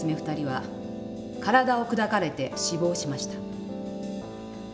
２人は体を砕かれて死亡しました。